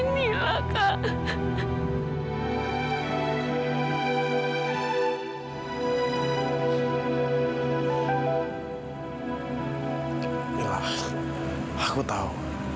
mila aku tahu